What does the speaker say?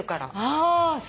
ああそう。